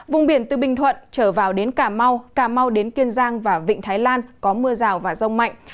vùng biển từ bình thuận trở vào đến cà mau cà mau đến kiên giang và vịnh thái lan có mưa rào và rông mạnh